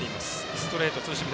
ストレート、ツーシーム。